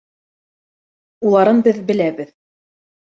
Уларын беҙ беләбеҙ